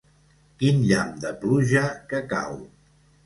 Quin llamp de pluja que cau!